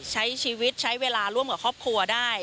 ใช้ชีวิตใช้เวลาร่วมกับครอบครัวได้